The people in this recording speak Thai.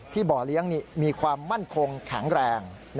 บ่อเลี้ยงมีความมั่นคงแข็งแรง